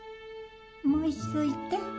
もう一度言って。